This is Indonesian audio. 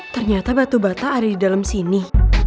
ternyata batu bata ada di dalam sini